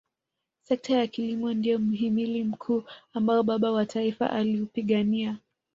sekta ya kilimo ndio mhimili mkuu ambao baba wa taifa aliupigania